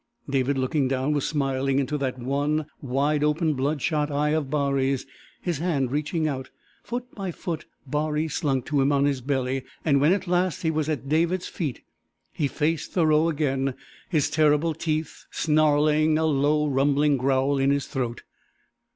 David, looking down, was smiling into that one, wide open, bloodshot eye of Baree's, his hand reaching out. Foot by foot Baree slunk to him on his belly, and when at last he was at David's feet he faced Thoreau again, his terrible teeth snarling, a low, rumbling growl in his throat.